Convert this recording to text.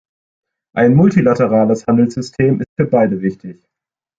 Ein multilaterales Handelssystem ist für beide wichtig.